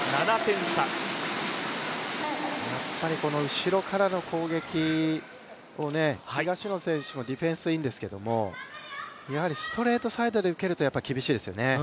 後ろからの攻撃を東野選手もディフェンスいいんですけどやはりストレートサイドで受けると厳しいですよね。